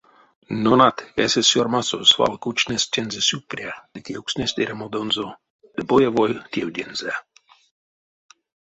Нонат эсест сёрмасо свал кучнесть тензэ сюкпря ды кевкстнесть эрямодонзо ды боевой тевдензэ.